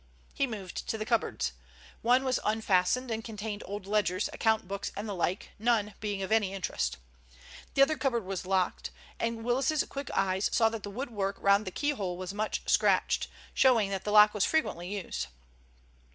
He moved to the cupboards. One was unfastened and contained old ledgers, account books and the like, none being of any interest. The other cupboard was locked, and Willis's quick eyes saw that the woodwork round the keyhole was much scratched, showing that the lock was frequently used.